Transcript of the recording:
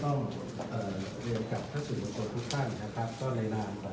ตั้งใจทำอย่างต่อมา